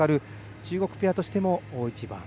中国ペアとしても大一番。